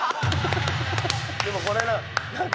でもこれなんか。